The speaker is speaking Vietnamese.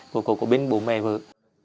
của bên bố mẹ vợ